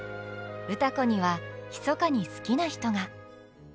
歌子にはひそかに好きな人が。